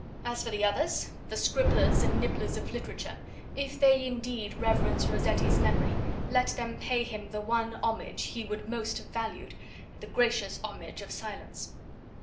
As for the others, the scribblers and nibblers of literature, if they indeed reverence Rossetti's memory, let them pay him the one homage he would most have valued, the gracious homage of silence.